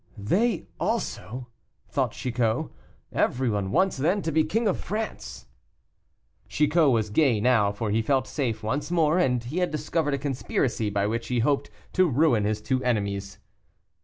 "They also!" thought Chicot; "everyone wants then to be King of France!" Chicot was gay now, for he felt safe once more, and he had discovered a conspiracy by which he hoped to ruin his two enemies.